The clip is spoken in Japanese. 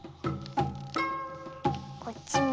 こっちも。